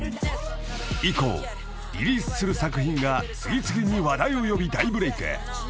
［以降リリースする作品が次々に話題を呼び大ブレーク］